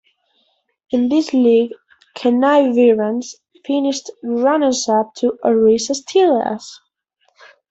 In this league Chennai Veerans finished runners-up to Orissa Steelers.